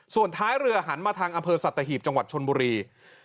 ส่วนท้ายเรือหันมาทางอำเภอสัตหีบจังหวัดชนบุรี